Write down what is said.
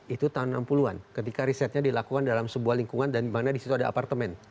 itu tahun enam puluh an ketika risetnya dilakukan dalam sebuah lingkungan dan mana di situ ada apartemen